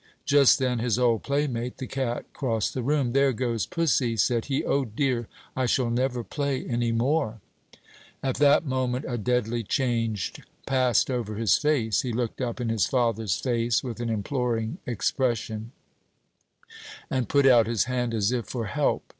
Just then his old playmate, the cat, crossed the room. "There goes pussy," said he; "O, dear! I shall never play any more." At that moment a deadly change passed over his face. He looked up in his father's face with an imploring expression, and put out his hand as if for help.